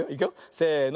せの。